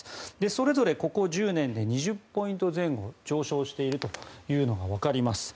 それぞれここ１０年で２０ポイント前後上昇しているというのがわかります。